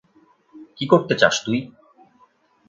কী করতে চাস তুই?